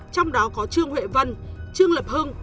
trong đó có trương huệ vân